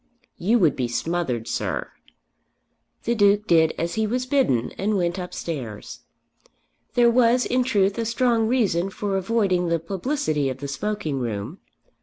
"You would be smothered, sir." The Duke did as he was bidden and went upstairs. There was in truth a strong reason for avoiding the publicity of the smoking room.